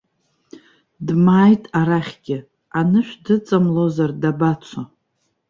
Дмааит арахьгьы, анышә дыҵамлозар дабацо!